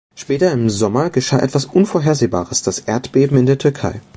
Später, im Sommer, geschah etwas Unvorhersehbares, das Erdbeben in der Türkei.